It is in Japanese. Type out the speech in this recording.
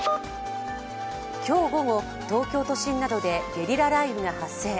今日午後、東京都心などでゲリラ豪雨が発生。